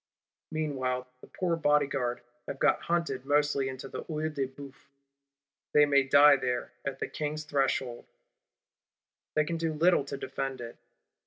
Meanwhile, the poor Bodyguards have got hunted mostly into the Œil de Bœuf. They may die there, at the King's threshhold; they can do little to defend it.